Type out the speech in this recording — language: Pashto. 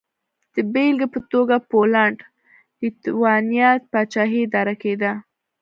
د بېلګې په توګه پولنډ-لېتوانیا پاچاهي اداره کېده.